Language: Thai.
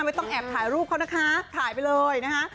ไม่ต้องแอบถ่ายรูปเขานะคะถ่ายไปเลยนะคะ